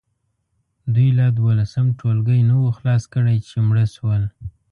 دوی لا دولسم ټولګی نه وو خلاص کړی چې مړه شول.